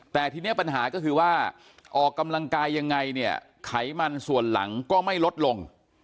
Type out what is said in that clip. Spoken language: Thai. แต่ทีนี้ปัญหาก็คือว่าออกกำลังกายยังไงเนี่ยไขมันส่วนหลังก็ไม่ลดลง